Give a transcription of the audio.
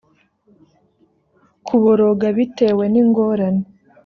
kuboroga bitewe n ingorane